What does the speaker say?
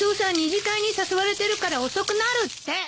２次会に誘われてるから遅くなるって。